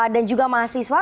dan juga mahasiswa